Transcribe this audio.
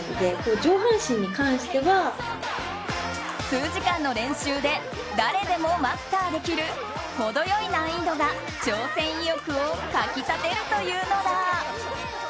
数時間の練習で誰でもマスターできる程良い難易度が挑戦意欲をかき立てるというのだ。